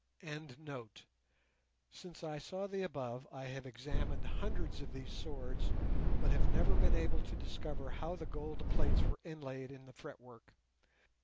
Since I saw the above I have examined hundreds of these swords, but have never been able to discover how the gold plates were inlaid in the fretwork.